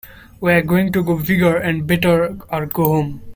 We are going to go bigger and better or go home.